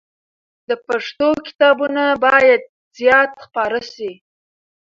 د پښتو کتابونه باید زیات خپاره سي.